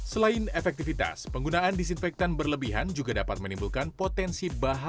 selain efektivitas penggunaan disinfektan berlebihan juga dapat menimbulkan potensi bahan yang lebih terkena